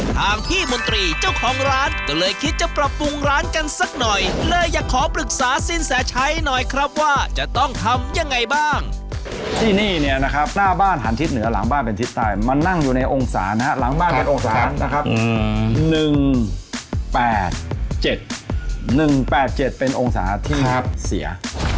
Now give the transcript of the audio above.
ทางพี่มนตรีเจ้าของร้านก็เลยคิดจะปรับปรุงร้านกันซักหน่อย